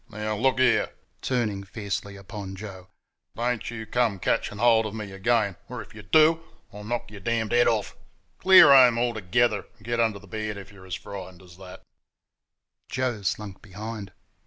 "Now look here (turning fiercely upon Joe), don't you come catching hold of me again, or if y' DO I'll knock y'r d d head off!...Clear home altogether, and get under the bed if y're as frightened as THAT." Joe slunk behind.